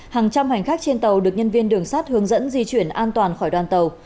hàng trăm hành khách trên tàu được nhân viên đường sát hướng dẫn di chuyển an toàn khỏi đoàn tàu